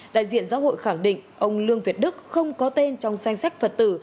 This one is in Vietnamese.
đại diện giáo hội khẳng định ông lương việt đức không có tên trong danh sách phật tử